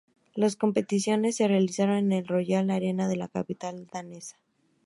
Las competiciones se realizaron en la Royal Arena de la capital danesa.